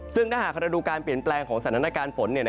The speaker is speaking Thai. ซึ่งถ้าหากเราดูการเปลี่ยนแปลงของสถานการณ์ฝน